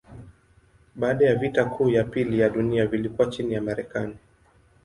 Baada ya vita kuu ya pili ya dunia vilikuwa chini ya Marekani.